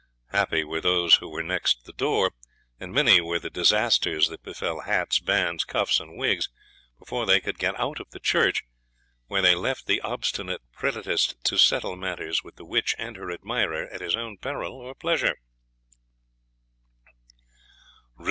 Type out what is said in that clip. Happy were those who were next the door; and many were the disasters that befell hats, bands, cuffs, and wigs, before they could get out of the church, where they left the obstinate prelatist to settle matters with the witch and her admirer at his own peril or pleasure.'